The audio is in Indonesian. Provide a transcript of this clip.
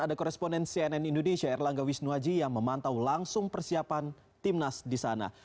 ada koresponen cnn indonesia erlangga wisnuaji yang memantau langsung persiapan timnas di sana